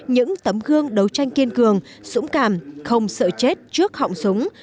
những tấm gương đấu tranh kiên cường dũng cảm không sợ chết trước họng súng